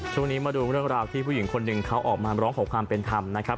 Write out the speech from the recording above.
ช่วงนี้มาดูเรื่องราวที่ผู้หญิงคนหนึ่งเขาออกมาร้องขอความเป็นธรรมนะครับ